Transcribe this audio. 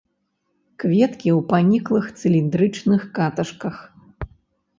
Кветкі ў паніклых цыліндрычных каташках.